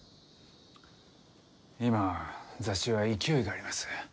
今雑誌は勢いがあります。